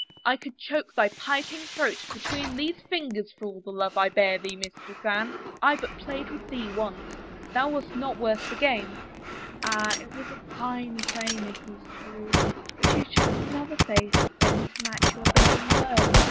I could choke thy piping throat be tween these fingers, for all the love I bear thee, Mistress Anne ! I but played with thee once — thou wast not worth the game." Ah, it was fine play, Nicholas Carewe — but you chose another face then to match your begging words."